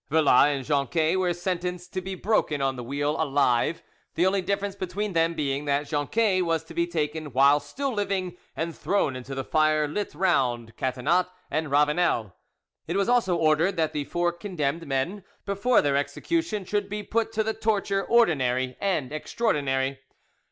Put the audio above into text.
Villars and Jonquet were sentenced to be broken on the wheel alive—the only difference between them being that Jonquet was to be to taken while still living and thrown into the fire lit round Catinat and Ravael. It was also ordered that the four condemned men before their execution should be put to the torture ordinary and extraordinary.